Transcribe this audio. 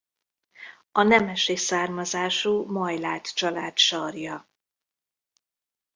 A nemesi származású Majláth család sarja.